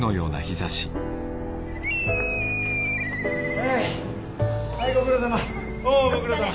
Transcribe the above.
はいはいご苦労さま。